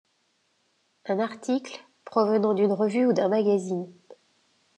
Un article, provenant d'une revue ou d'un magazine.